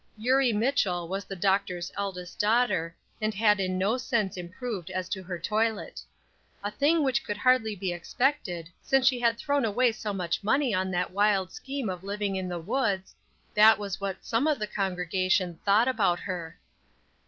Eurie Mitchell was the doctor's eldest daughter, and had in no sense improved as to her toilet "a thing which could hardly be expected, since she had thrown away so much money on that wild scheme of living in the woods;" that was what some of the congregation thought about her.